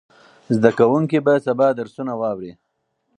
زده کوونکي به سبا درسونه واوري.